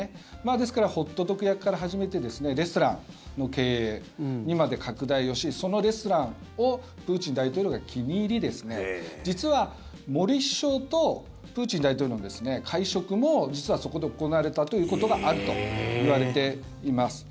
ですからホットドッグ屋から始めてレストランの経営にまで拡大をしそのレストランをプーチン大統領が気に入り実は森首相とプーチン大統領の会食もそこで行われたということがあるといわれています。